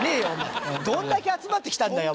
どんだけ集まってきたんだよ。